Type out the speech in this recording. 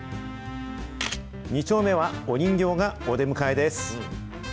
２丁目はお人形がお出迎えです。